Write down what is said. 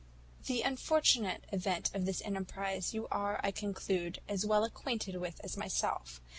"The unfortunate event of this enterprize, you are, I conclude, as well acquainted with as myself.